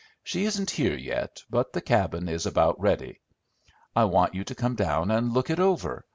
She isn't here yet, but the cabin is about ready. I want you to come down and look it over.